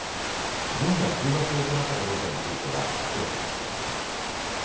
軍が空爆を行ったかどうかについては明らかにしていません。